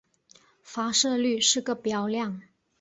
发射率是个标量。